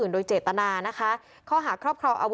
โดยเจตนานะคะ